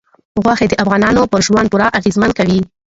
غوښې د افغانانو پر ژوند پوره اغېزمن کوي.